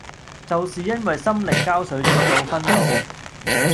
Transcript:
就是因為心力交瘁直至昏倒